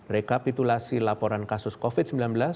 rekapitulasi laporan kasus covid sembilan belas